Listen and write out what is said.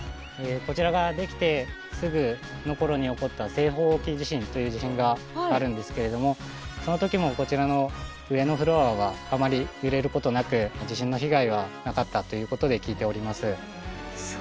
こちらができてすぐの頃に起こった西方沖地震という地震があるんですけれどもその時もこちらの上のフロアはあまり揺れることなく地震の被害はなかったということで聞いております。